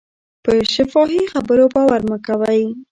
په شفاهي خبرو باور مه کوئ.